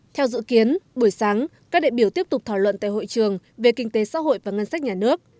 theo dự kiến buổi sáng các đại biểu tiếp tục thảo luận tại hội trường về kinh tế xã hội và ngân sách nhà nước